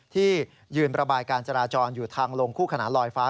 ที่ยืนระบายการจราจรอยู่ทางลงคู่ขนานลอยฟ้า